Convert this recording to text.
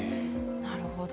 なるほど。